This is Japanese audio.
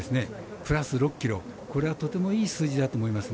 プラス６ｋｇ、これはとてもいい数字だと思います。